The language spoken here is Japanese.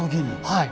はい。